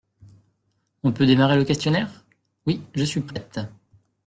On peut démarrer le questionnaire? Oui, je suis prête.